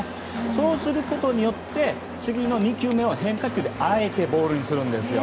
そうすることによって次の２球目を変化球であえてボールにするんです。